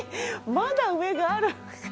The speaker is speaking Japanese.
まだ上がある！